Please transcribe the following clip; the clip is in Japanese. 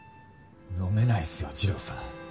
呑めないですよ二郎さん。